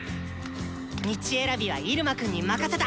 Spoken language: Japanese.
道選びはイルマくんに任せた！